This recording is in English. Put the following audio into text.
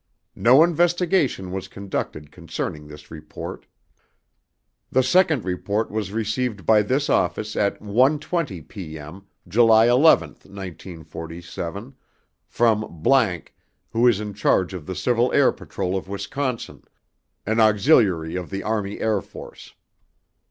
No investigation was conducted concerning this report. The second report was received by this office at 1:20 p.m. July 11, 1947, from ____ who is in charge of the Civil Air Patrol of Wisconsin, an auxiliary of the Army Air Forces.